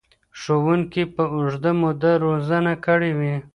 ښوونکي به اوږده موده روزنه کړې وي.